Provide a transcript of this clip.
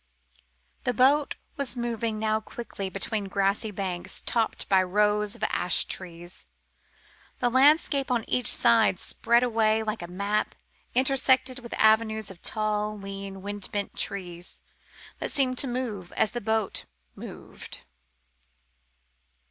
The boat was moving now quickly between grassy banks topped by rows of ash trees. The landscape on each side spread away like a map intersected with avenues of tall, lean, wind bent trees, that seemed to move as the boat moved.